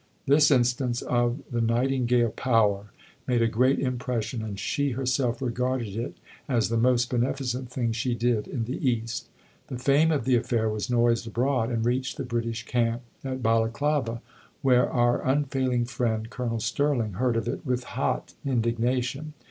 This instance of "the Nightingale power" made a great impression, and she herself regarded it as the most beneficent thing she did in the East. The fame of the affair was noised abroad, and reached the British camp at Balaclava, where our unfailing friend, Colonel Sterling, heard of it with hot indignation.